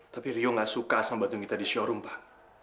tapi rio gak suka sama bantu kita di showroom pak